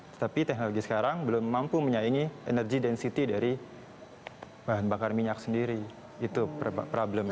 tetapi teknologi sekarang belum mampu menyaingi energy density dari bahan bakar minyak sendiri itu problemnya